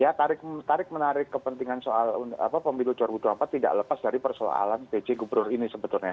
ya tarik menarik kepentingan soal pemilu dua ribu dua puluh empat tidak lepas dari persoalan pj gubernur ini sebetulnya